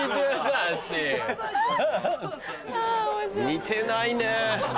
似てないね。